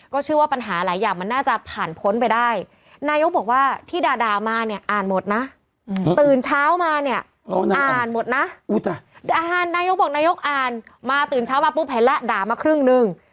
เชื่อว่าปัญหาหลายอย่างมันน่าจะผ่านพ้นไปได้นายกบอกว่าที่ด่ามาเนี่ยอ่านหมดนะตื่นเช้ามาเนี่ยอ่านหมดนะอ่านนายกบอกนายกอ่านมาตื่นเช้ามาปุ๊บเห็นแล้วด่ามาครึ่งนึง